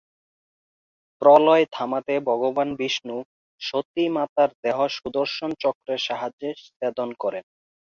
প্রলয় থামাতে ভগবান বিষ্ণু সতী মাতার দেহ সুদর্শন চক্রের সাহায্যে ছেদন করেন।